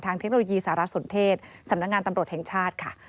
เทคโนโลยีสารสนเทศสำนักงานตำรวจแห่งชาติค่ะ